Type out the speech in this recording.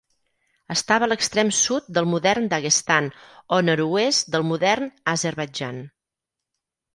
Estava a l'extrem sud del modern Daguestan o nord-oest del modern Azerbaidjan.